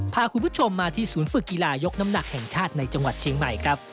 พาคุณผู้ชมมาที่ศูนย์ฝึกกีฬายกน้ำหนักแห่งชาติในจังหวัดเชียงใหม่ครับ